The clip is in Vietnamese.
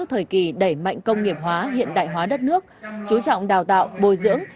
thời kỳ đẩy mạnh công nghiệp hóa hiện đại hóa đất nước chú trọng đào tạo bồi dưỡng